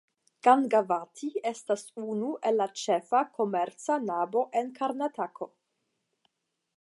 Gangavati estas unu el la ĉefa komerca nabo en Karnatako.